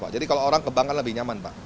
jadi kalau orang ke bank kan lebih nyaman